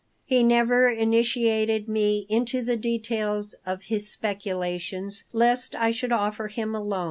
He never initiated me into the details of his speculations, lest I should offer him a loan.